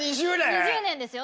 ２０年ですよ。